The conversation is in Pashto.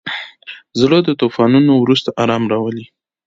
زړه د طوفانونو وروسته ارام راولي.